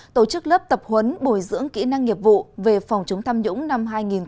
tổ chức lớp tập huấn bồi dưỡng kỹ năng nghiệp vụ về phòng chống tham nhũng năm hai nghìn hai mươi